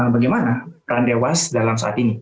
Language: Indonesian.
bagaimana peran dewas dalam saat ini